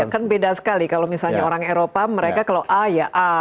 kan beda sekali kalau misalnya orang eropa mereka kalau a ya a